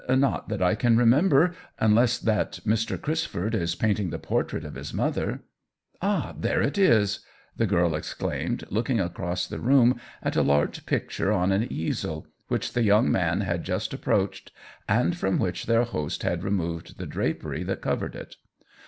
"Not that I can remember — unless that Mr. Crisford is painting the portrait of his mother. Ah, there it is !" the girl exclaimed, looking across the room at a large picture on an easel, which the young man had just ap proached, and from which their host had re moved the drapery that covered it.